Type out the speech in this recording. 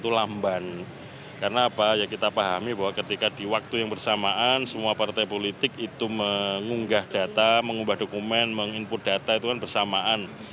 itu lamban karena apa ya kita pahami bahwa ketika di waktu yang bersamaan semua partai politik itu mengunggah data mengubah dokumen meng input data itu kan bersamaan